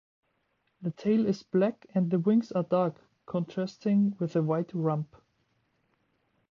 The tail is black and the wings are dark contrasting with a white rump.